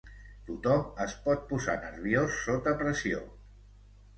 Tothom es pot posar nerviós sota pressió.